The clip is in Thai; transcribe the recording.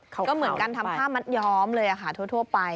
ก็เหมือนกันทำผ้ามัดย้อมเลยค่ะทั่วไป